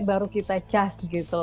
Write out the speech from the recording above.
baru kita charge gitu